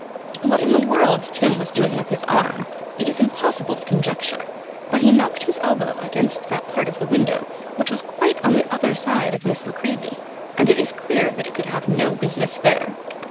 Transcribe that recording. What in the world Tim was doing with his arm, it is impossible to conjecture, but he knocked his elbow against that part of the window which was quite on the other side of Miss La Creevy; and it is clear that it could have no business there.